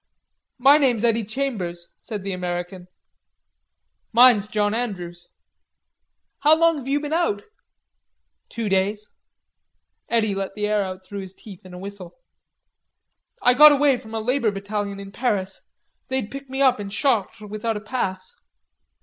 "My name's Eddy Chambers," said the American. "Mine's John Andrews." "How long've you been out?" "Two days." Eddy let the air out through his teeth in a whistle. "I got away from a labor battalion in Paris. They'd picked me up in Chartres without a pass."